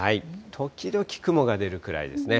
時々雲が出るくらいですね。